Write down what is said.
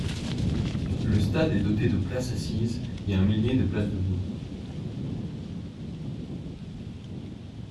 Le stade est doté de places assises et un millier de places debout.